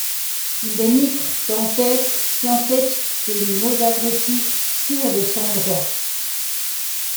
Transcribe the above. Il dénigre, tempête, s’entête de mots agressifs, sûr de son droit.